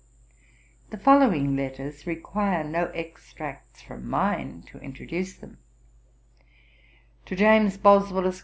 The following letters require no extracts from mine to introduce them: 'TO JAMES BOSWELL, ESQ.